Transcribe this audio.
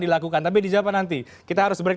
bisa tapi di jepang nanti kita harus break